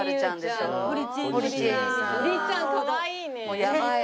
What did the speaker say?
律ちゃんかわいいね。